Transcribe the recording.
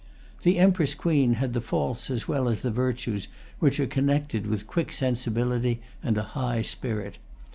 The Empress Queen had the faults as well as the virtues which are connected with quick sensibility and a high spirit.